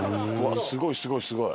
すごいすごいすごい！